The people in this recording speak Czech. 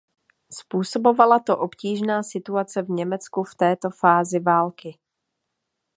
Způsobovala to obtížná situace v Německu v této fázi války.